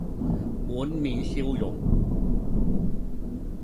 滿面笑容，